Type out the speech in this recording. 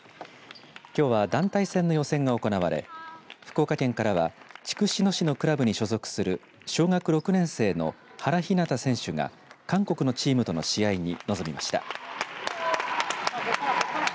きょうは団体戦の予選が行われ福岡県からは筑紫野市のクラブに所属する小学６年生の原ひなた選手が韓国のチームとの試合に臨みました。